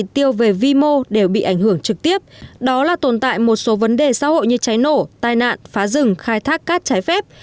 tiêu về vi mô đều bị ảnh hưởng trực tiếp đó là tồn tại một số vấn đề xã hội như cháy nổ tai nạn phá rừng khai thác cát trái phép